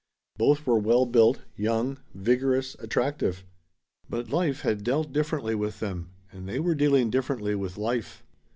Both were well built, young, vigorous, attractive. But life had dealt differently with them, and they were dealing differently with life.